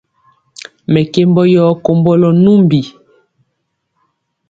Mɛkembɔ yɔ kombolɔ numbi.